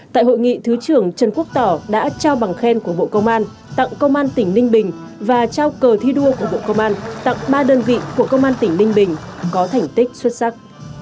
tại hội nghị thứ trưởng trần quốc tỏ đã trao bằng khen của bộ công an tặng công an tỉnh ninh bình và trao cờ thi đua của bộ công an tặng ba đơn vị của công an tỉnh ninh bình có thành tích xuất sắc